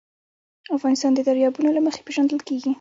افغانستان د دریابونه له مخې پېژندل کېږي.